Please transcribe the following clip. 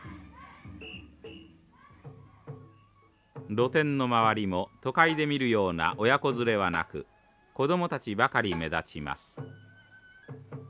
露店の周りも都会で見るような親子連れはなく子供たちばかり目立ちます。